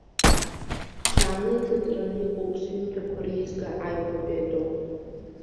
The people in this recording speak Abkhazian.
Ҽааны иҭыҵраны иҟоуп сҩымҭақәа реизга аҩбатәи атом.